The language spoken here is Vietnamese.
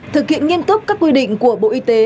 thực hiện nghiên cức các quy định của bộ y tế